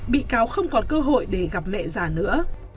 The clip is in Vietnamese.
bị cáo không còn cơ hội để gặp mẹ già nữa